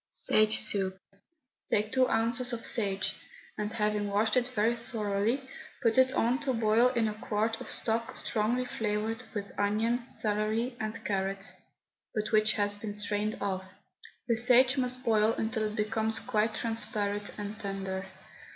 SAGO SOUP. Take two ounces of sage, and having washed it very thoroughly, put it on to boil in a quart of stock strongly flavoured with onion, celery, and carrot, but which has been strained off. The sage must boil until it becomes quite transparent and tender.